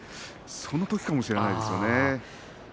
そのときかもしれないですよね。